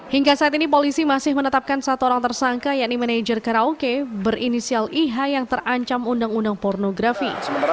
hingga saat ini polisi masih menetapkan satu orang tersangka yakni manajer karaoke berinisial iha yang terancam undang undang pornografi